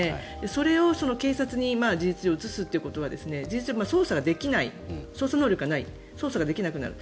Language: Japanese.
それを警察に事実上移すということは事実上捜査ができない捜査能力がない捜査ができなくなる。